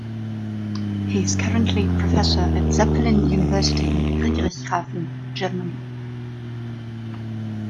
He is currently professor at Zeppelin University in Friedrichshafen, Germany.